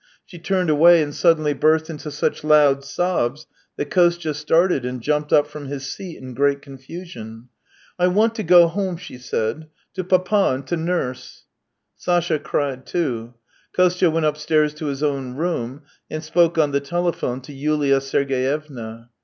She turned away and suddenly burst into such loud sobs, that Kostya started and jumped up from his seat in great confusion. I want to go home," she said, " to papa and to nurse." Sasha cried too. Kostya went upstairs to his own room, and spoke on the telephone to Yulia Sergeyevna.